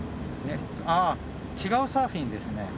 あ違うサーフィンですね。